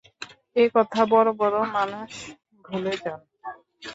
এ কথা বড় বড় মানুষ ভুলে যান।